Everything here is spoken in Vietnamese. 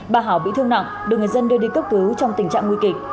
bà hảo bị thương nặng được người dân đưa đi cấp cứu trong tình trạng nguy kịch